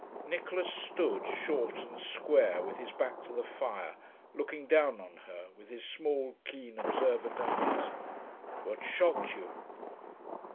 Nicholas stood, short and square, with his back to the fire, looking down on her with his small, keen, observant eyes. 'What's shocked you?'